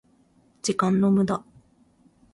時間の無駄